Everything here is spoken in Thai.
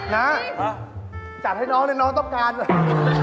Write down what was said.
นะจัดให้น้องเลยน้องต้องการเลย